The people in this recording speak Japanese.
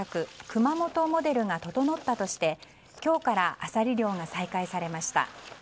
熊本モデルが整ったとして今日からアサリ漁が再開されました。